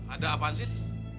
ada apaan sih